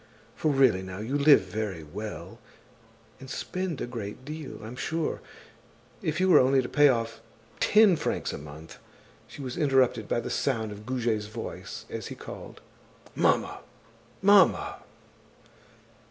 For really now, you live very well; and spend a great deal, I'm sure. If you were only to pay off ten francs a month—" She was interrupted by the sound of Goujet's voice as he called: "Mamma! Mamma!"